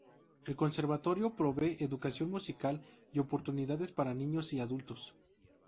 El Conservatorio provee educación musical y oportunidades para niños y adultos.